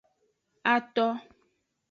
Ato.